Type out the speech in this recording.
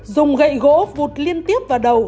dùng gậy gỗ vụt liên tiếp vào đầu